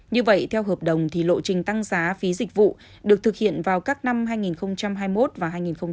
như vậy theo hợp đồng thì lộ trình tăng giá phí dịch vụ được thực hiện vào các năm hai nghìn hai mươi một và hai nghìn hai mươi ba